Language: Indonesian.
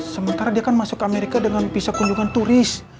sementara dia kan masuk ke amerika dengan pisa kunjungan turis